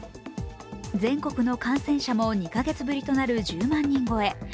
全国の感染者も２か月ぶりとなる１０万人超え。